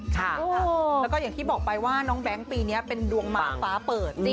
ค่ะแล้วก็อย่างที่บอกไปว่าน้องแบงค์ปีนี้เป็นดวงมาฟ้าเปิด